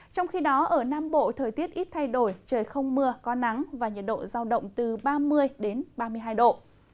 trong khi đó ở nam bộ thời tiết ít thay đổi trời không mưa có nắng và nhiệt độ giao động từ ba mươi ba mươi hai độ